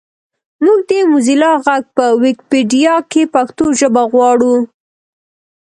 مونږ د موزیلا غږ په ویکیپېډیا کې پښتو ژبه غواړو